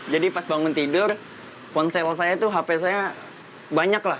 jadi pas bangun tidur ponsel saya itu hp saya banyak lah